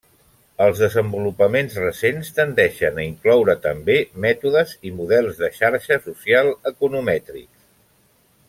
Els desenvolupaments recents tendeixen a incloure també mètodes i models de xarxa social economètrics.